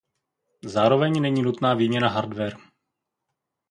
Zároveň není nutná výměna hardware.